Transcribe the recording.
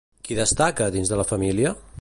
Qui destaca, dins de la família?